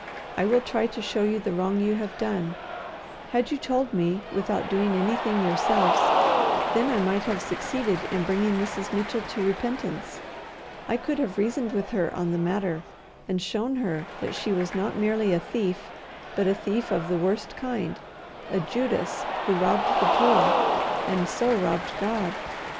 I will try to show you the wrong you have done. Had you told me without doing anything yourselves, then I might have succeeded in bringing Mrs. Mitchell to repentance. I could have reasoned with her on the matter, and shown her that she was not merely a thief, but a thief of the worst kind, a Judas who robbed the poor, and so robbed God.